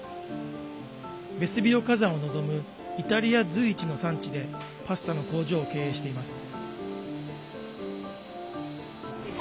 ベスビオ火山を望むイタリア随一の産地でパスタの工場を経営しています。